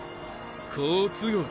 好都合。